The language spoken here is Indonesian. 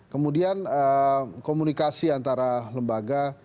kemudian komunikasi antara lembaga